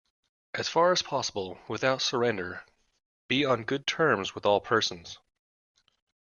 As far as possible, without surrender, be on good terms with all persons.